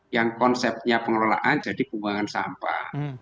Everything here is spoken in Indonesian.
yang konsepnya pengelolaan jadi pembuangan sampah